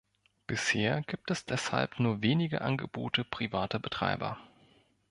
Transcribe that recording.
Bisher gibt es deshalb nur wenige Angebote privater Betreiber.